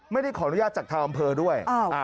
ไม่ได้ขออนุญาตจากทางอำเภอด้วย